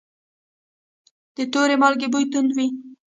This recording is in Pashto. د تور مالګې بوی توند وي.